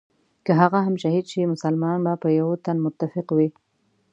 که هغه هم شهید شي مسلمانان به پر یوه تن متفق وي.